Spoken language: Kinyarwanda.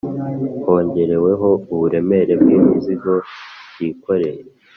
hongereweho uburemere bw'imizigo cyikoreye